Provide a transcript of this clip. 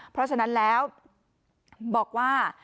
เพราะฉะนั้นแล้วบอกว่า